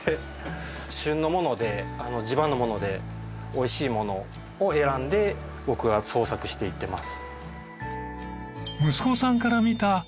旬のもので地場のものでおいしいものを選んで僕は創作していってます。